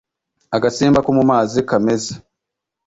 Agasimba ko mu mazi kameze